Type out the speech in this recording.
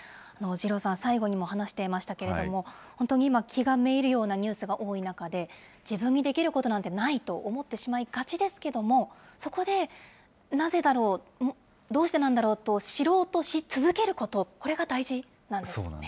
二郎さん、最後にも話していましたけれども、本当に今、気がめいるようなニュースが多い中で、自分にできることなんてないと思ってしまいがちですけれども、そこでなぜだろう、どうしてなんだろうと知ろうとし続けること、これが大事なんですね。